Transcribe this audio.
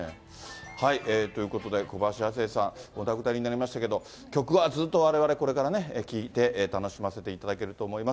ということで、小林亜星さん、お亡くなりになりましたけど、曲はずっとわれわれこれからね、聴いて楽しませていただけると思います。